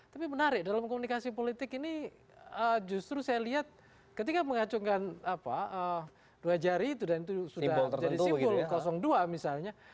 tapi menarik dalam komunikasi politik ini justru saya lihat ketika mengacungkan dua jari itu dan itu sudah jadi simpul dua misalnya